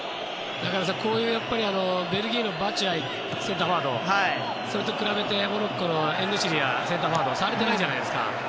こういうベルギーのバチュアイ、センターフォワードそれと比べてモロッコのエンネシリがセンターフォワードとして触れてないじゃないですか。